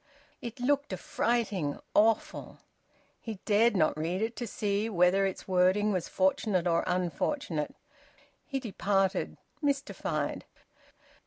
It looked affrighting, awful. He dared not read it, to see whether its wording was fortunate or unfortunate. He departed, mystified.